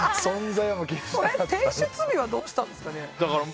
提出日はどうしたんですかね？